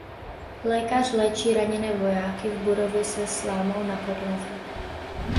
Lékař léčí raněné vojáky v budově se slámou na podlaze.